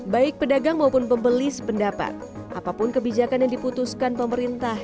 baik pedagang maupun pembeli sependapat apapun kebijakan yang diputuskan pemerintah